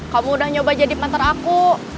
kamu udah nyoba jadi manter aku